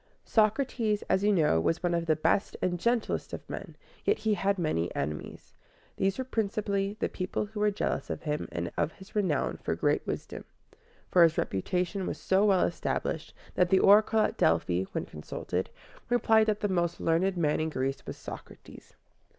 Socrates, as you know, was one of the best and gentlest of men, yet he had many enemies. These were principally the people who were jealous of him and of his renown for great wisdom; for his reputation was so well established, that the oracle at Delphi, when consulted, replied that the most learned man in Greece was Socrates.